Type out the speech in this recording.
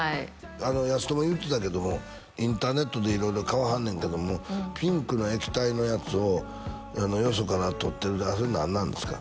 やすとも言うてたけどもインターネットで色々買わはんねんけどもピンクの液体のやつをよそからとってるそれ何なんですか？